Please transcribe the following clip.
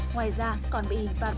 ngoài ra còn bị hình phạt một năm